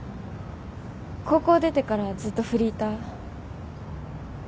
高校出てからずっとフリーター。